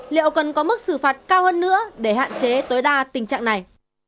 liệu cần có mức xử phạt cao hơn nữa để hạn chế tối đa tình trạng này